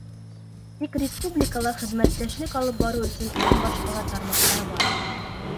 Тик республикала хеҙмәттәшлек алып барыу өсөн унан башҡа ла тармаҡтар бар.